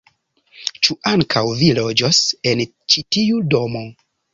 Ĉu ankaŭ vi loĝos en ĉi tiu domo?